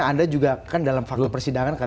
anda juga kan dalam fakta persidangan